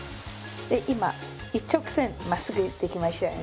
今一直線まっすぐ行ってきましたよね。